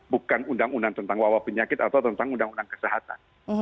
bukan undang undang tentang wawah penyakit atau tentang undang undang kesehatan